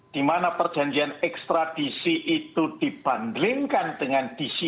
di mana perjanjian ekstradisi itu dibandingkan dengan dc